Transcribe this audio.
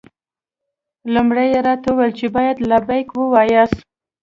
لومړی یې راته وویل چې باید لبیک ووایاست.